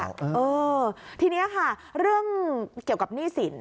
เออทีนี้ค่ะเรื่องเกี่ยวกับหนี้สิน